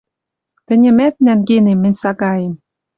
Тӹньӹмӓт нӓнгенем мӹнь сагаэм